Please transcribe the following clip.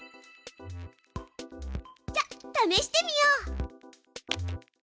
じゃあためしてみよう！